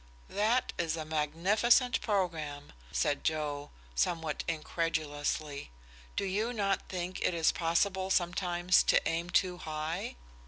"That is a magnificent programme," said Joe, somewhat incredulously. "Do you not think it is possible sometimes to aim too high?